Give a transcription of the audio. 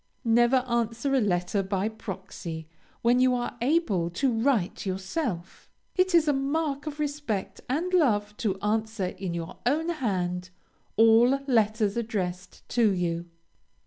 Never answer a letter by proxy, when you are able to write yourself. It is a mark of respect and love, to answer, in your own hand, all letters addressed to you.